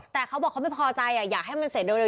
แต่เขาบอกเขาไม่พอใจอยากให้มันเสร็จเร็ว